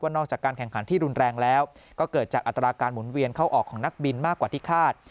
นอกจากการแข่งขันที่รุนแรงแล้วก็เกิดจากอัตราการหมุนเวียนเข้าออกของนักบินมากกว่าที่คาด